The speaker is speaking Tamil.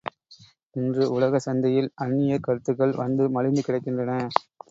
இன்று உலகச் சந்தையில் அந்நியர் கருத்துக்கள் வந்து மலிந்து கிடக்கின்றன.